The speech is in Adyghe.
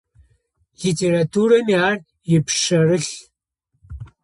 Литературэми ар ипшъэрылъ.